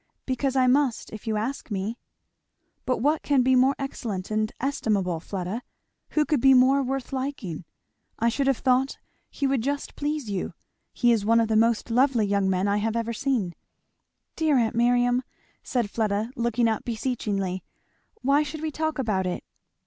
"Because I must if you ask me." "But what can be more excellent and estimable, Fleda? who could be more worth liking? I should have thought he would just please you. He is one of the most lovely young men I have ever seen." "Dear aunt Miriam!" said Fleda looking up beseechingly, "why should we talk about it?"